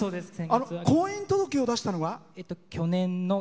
婚姻届を出したのは？